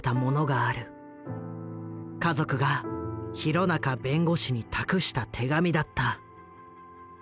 家族が弘中弁護士に託した手紙だった。